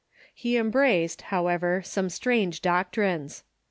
He embraced, however, some strange doctrines.